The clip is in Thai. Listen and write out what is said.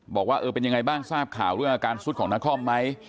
บอกว่าเออเป็นยังไงบ้างทราบข่าวเรื่องอาการสุดของนครไหม